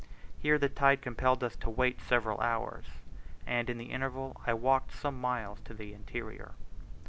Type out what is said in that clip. Here the tide compelled us to wait several hours; and in the interval I walked some miles into the interior.